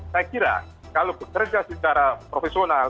saya kira kalau bekerja secara profesional